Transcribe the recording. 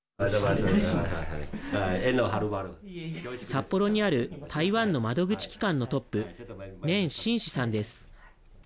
札幌にある台湾の窓口機関のトップ粘信士さんです。